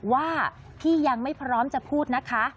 ว่าพี่ยังไม่พร้อมจะพูดนะคะ